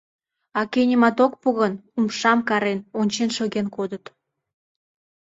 А кӧ нимат ок пу гын, умшам карен, ончен шоген кодыт.